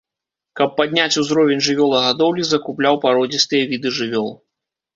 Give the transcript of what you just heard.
Каб падняць узровень жывёлагадоўлі, закупляў пародзістыя віды жывёл.